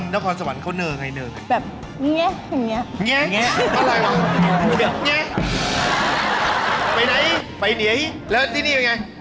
แล้วที่นี่เป็นไง